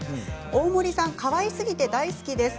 大森さん、かわいすぎて大好きです。